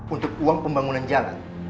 untuk uang pembangunan jalan